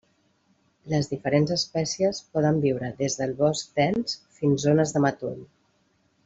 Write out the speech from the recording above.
Les diferents espècies poden viure des del bosc dens fins zones de matoll.